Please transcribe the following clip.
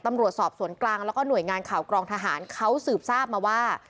ตำรวจสอบสวนกลางแล้วก็หน่วยงานข่าวกรองทหารเขาสืบทราบมาว่า